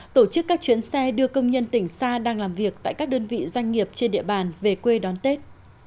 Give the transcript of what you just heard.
tổ chức các chuyến xe đưa công nhân tỉnh xa đang làm việc tại các đơn vị doanh nghiệp trên địa bàn về quê đón tết